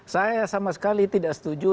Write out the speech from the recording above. saya sama sekali tidak setuju